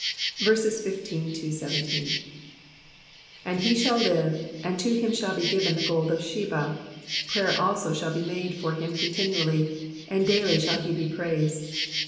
15 And he shall live, and to him shall be given of the gold of Sheba : prayer also shall be made for him continually ; and daily shall he be praised.